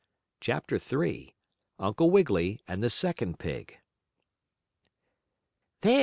CHAPTER III UNCLE WIGGILY AND THE SECOND PIG "There!